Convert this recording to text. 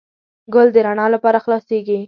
ګل د رڼا لپاره خلاصیږي.